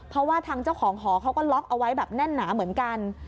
เพราะว่าทางเจ้าของหอเขาก็ล็อกเอาไว้แบบแน่นหนาเหมือนกัน